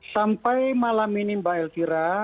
sampai malam ini mbak elvira